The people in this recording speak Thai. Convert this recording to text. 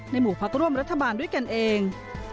หมู่พักร่วมรัฐบาลด้วยกันเอง